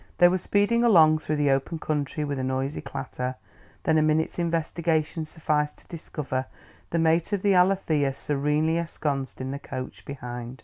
They were speeding along through the open country with a noisy clatter; then a minute's investigation sufficed to discover the mate of the Alethea serenely ensconced in the coach behind.